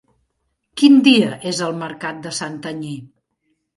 Quin dia és el mercat de Santanyí?